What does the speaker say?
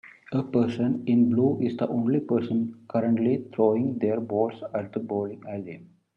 A person in blue is the only person currently throwing their ball at a bowling alley.